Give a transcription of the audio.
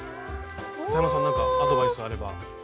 かたやまさん何かアドバイスあれば。